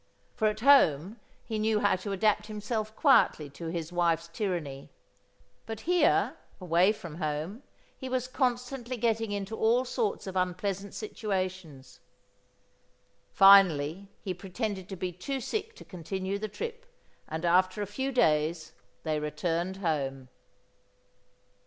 For at home he knew how to adapt himself quietly to his wife's tyranny. But here, away from home, he was constantly getting into all sorts of unpleasant situations. Finally, he pretended to be too sick to continue the trip and after a few days they returned home.